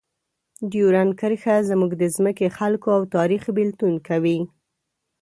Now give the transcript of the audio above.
ډیورنډ کرښه زموږ د ځمکې، خلکو او تاریخ بېلتون کوي.